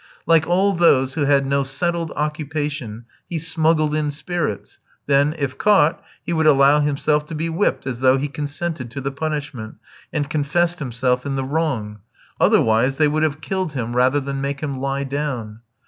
Like all those who had no settled occupation, he smuggled in spirits; then, if caught, he would allow himself to be whipped as though he consented to the punishment, and confessed himself in the wrong. Otherwise they would have killed him rather than make him lie down.